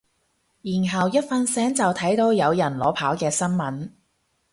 然後一瞓醒就睇到有人裸跑嘅新聞